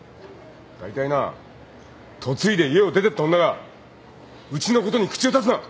だいたいな嫁いで家を出てった女がうちのことに口を出すな。